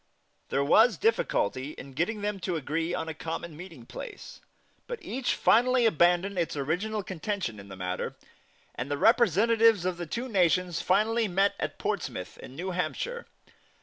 There was difficulty in getting them to agree on a common meeting place; but each finally abandoned its original contention in the matter, and the representatives of the two nations finally met at Portsmouth, in New Hampshire.